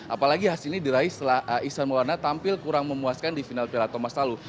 apalagi hasil ini diraih setelah ihsan maulana tampil kurang memuaskan di final piala thomas lalu